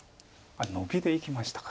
ノビでいきましたか。